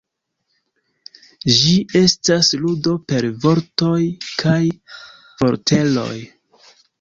Ĝi estas ludo per vortoj kaj vorteroj.